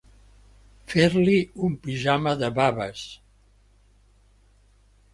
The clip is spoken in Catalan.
Fer-li un pijama de baves.